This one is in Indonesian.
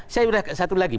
saya sudah satu lagi